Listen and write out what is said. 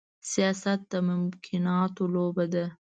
سياست د ممکناتو لوبه ده.